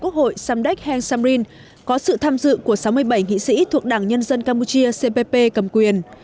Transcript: quốc hội samdek heng samrin có sự tham dự của sáu mươi bảy nghị sĩ thuộc đảng nhân dân campuchia cpp cầm quyền